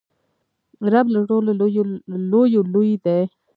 رب له ټولو لویو لوی دئ.